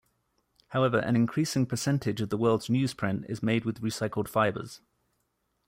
However, an increasing percentage of the world's newsprint is made with recycled fibers.